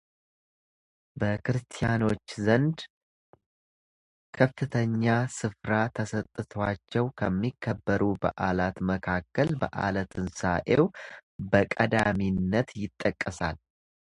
በክርስቲያኖች ዘንድ ከፍተኛ ሥፍራ ተሰጥቷቸው ከሚከበሩ በዓላት መካከል በዓለ ትንሣኤው በቀዳሚነት ይጠቀሳል